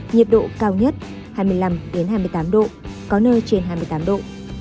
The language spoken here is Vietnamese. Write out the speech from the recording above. nhiệt độ cao nhất hai mươi năm hai mươi tám độ có nơi trên hai mươi tám độ